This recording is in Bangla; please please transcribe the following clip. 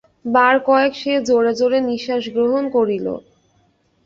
বারকয়েক সে জোরে জোরে নিশ্বাস গ্রহণ করিল।